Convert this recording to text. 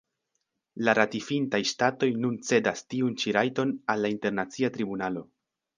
La ratifintaj ŝtatoj nun cedas tiun ĉi rajton al la Internacia Tribunalo.